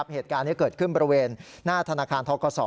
เหตุการณ์นี้เกิดขึ้นบริเวณหน้าธนาคารทกศ